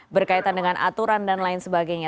berkaitan dengan aturan dan lain sebagainya